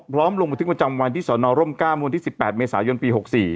พร้อมลงมาถึงประจำวันที่สอนอร่มกล้ามวันที่๑๘เมษายนต์ปี๖๔